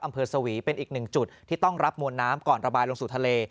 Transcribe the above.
สวีเป็นอีกหนึ่งจุดที่ต้องรับมวลน้ำก่อนระบายลงสู่ทะเล